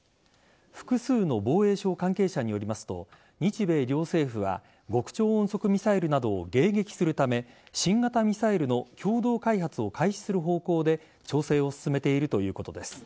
複数の防衛省関係者によりますと日米両政府は極超音速ミサイルなどを迎撃するため新型ミサイルの共同開発を開始する方向で調整を進めているということです。